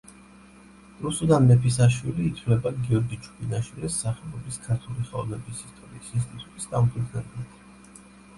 რუსუდან მეფისაშვილი ითვლება გიორგი ჩუბინაშვილის სახელობის ქართული ხელოვნების ისტორიის ინსტიტუტის დამფუძნებლად.